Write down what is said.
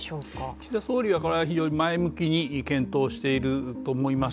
岸田総理は前向きに検討していると思います。